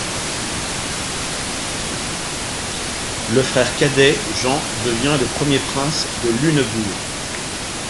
Le frère cadet, Jean, devient le premier prince de Lunebourg.